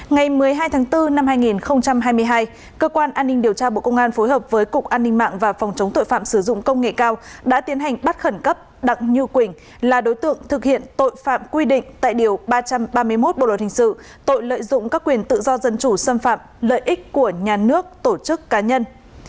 ngày một mươi hai tháng bốn năm hai nghìn hai mươi hai cơ quan an ninh điều tra bộ công an phối hợp với cục an ninh mạng và phòng chống tội phạm sử dụng công nghệ cao đã tiến hành bắt khẩn cấp đặng như quỳnh là đối tượng thực hiện tội phạm quy định tại điều ba trăm ba mươi một bộ luật hình sự tội lợi dụng các quyền tự do dân chủ xâm phạm lợi ích của nhà nước tổ chức cá nhân